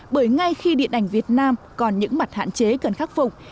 bởi ngay khi điện ảnh việt nam còn những mặt hạn chế cần khắc phục